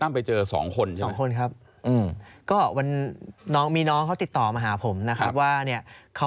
น้องมีน้องเขาติดต่อมาหาผมนะครับว่าเนี่ย